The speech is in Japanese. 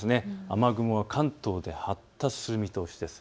雨雲が関東で発達する見通しです。